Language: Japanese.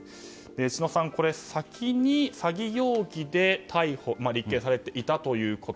知野さん、先に詐欺容疑で逮捕、立件されていたということ。